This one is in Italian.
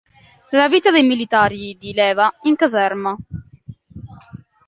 La vita dei militari di leva in caserma.